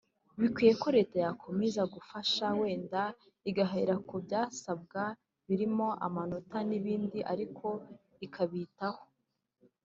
bikwiye ko leta yakomeza kubafasha wenda igahera ku byasabwa birimo amanota n’ibindi ariko ikabitaho